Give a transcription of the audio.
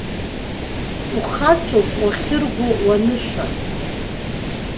Ухаҵоуп уахьырго уанышәа.